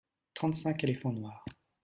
trente cinq éléphants noirs.